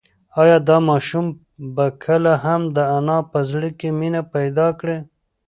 ایا دا ماشوم به کله هم د انا په زړه کې مینه پیدا کړي؟